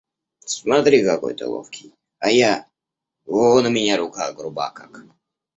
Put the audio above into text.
Смотри, какой ты ловкий, а я — вон у меня рука груба как.